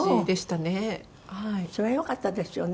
それはよかったですよね。